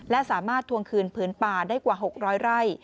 และสามารถทวงคืนผืนป่าได้กว่า๖๐๐ไร่